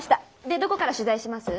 でどこから取材します？